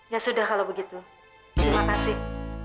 ya sudah kalau begitu terima kasih